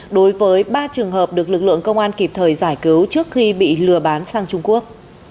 đối với ba trường hợp được lực lượng công an kịp thời giải cứu trước khi bị lừa bán sang trung quốc